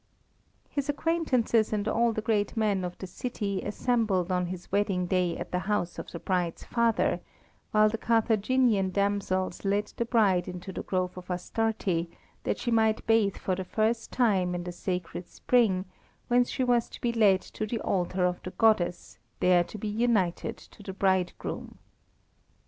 His acquaintances and all the great men of the city assembled on his wedding day at the house of the bride's father, while the Carthaginian damsels led the bride into the grove of Astarte, that she might bathe for the first time in the sacred spring whence she was to be led to the altar of the goddess, there to be united to the bridegroom.